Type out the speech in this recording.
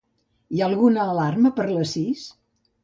Hi ha alguna alarma per les sis?